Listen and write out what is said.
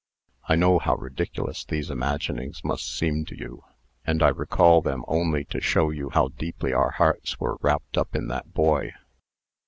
I know how ridiculous these imaginings must seem to you, and I recall them only to show you how deeply our hearts were wrapped up in that boy.